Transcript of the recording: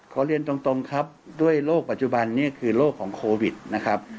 เรียนตรงครับด้วยโรคปัจจุบันนี้คือโรคของโควิดนะครับ